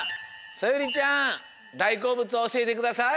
そよりちゃんだいこうぶつをおしえてください。